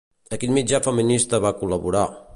A quin mitjà feminista va col·laborar?